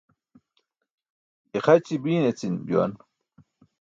Ixaci biiṅ eci̇m juwan.